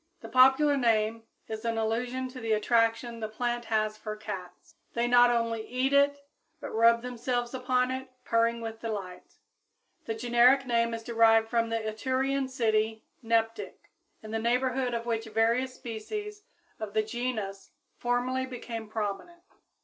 The popular name is in allusion to the attraction the plant has for cats. They not only eat it, but rub themselves upon it purring with delight. The generic name is derived from the Etrurian city Neptic, in the neighborhood of which various species of the genus formerly became prominent.